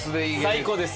最高です！